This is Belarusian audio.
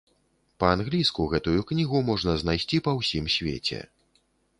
Па-англійску гэтую кнігу можна знайсці па ўсім свеце.